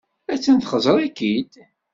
Attan txeẓẓer-ik-id.